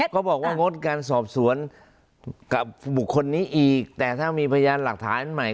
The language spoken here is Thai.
เขาบอกว่างดการสอบสวนกับบุคคลนี้อีกแต่ถ้ามีพยานหลักฐานใหม่